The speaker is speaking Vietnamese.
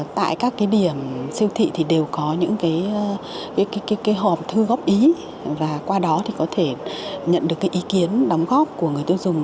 tại các cái điểm siêu thị thì đều có những cái hòm thư góp ý và qua đó thì có thể nhận được cái ý kiến đóng góp của người tiêu dùng